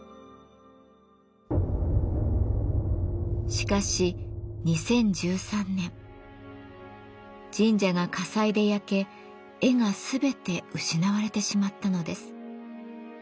しかし２０１３年神社が火災で焼け絵が全て失われてしまったのです。